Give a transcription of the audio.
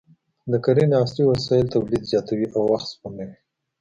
د کرنې عصري وسایل تولید زیاتوي او وخت سپموي.